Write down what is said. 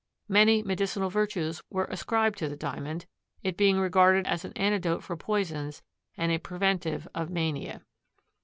Many medicinal virtues were ascribed to the Diamond, it being regarded as an antidote for poisons and a preventive of mania.